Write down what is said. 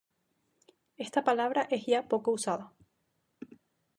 Esta palabra es ya poco usada.